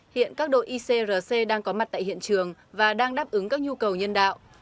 hiện các đội icrc đang có mặt tại hiện trường và đang đáp ứng các nhu cầu nhân đạo